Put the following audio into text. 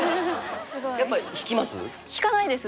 すごい。